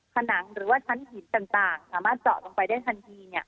ผนังหรือว่าชั้นหินต่างสามารถเจาะลงไปได้ทันที